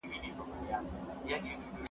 د دورکهايم طرحه څو موخې درلودې؟